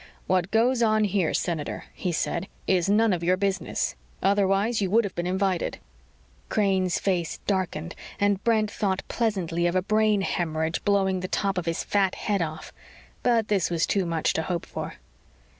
"What goes on here, Senator," he said, "is none of your business. Otherwise, you would have been invited." Crane's face darkened and Brent thought pleasantly of a brain hemorrhage blowing the top of his fat head off. But this was too much to hope for.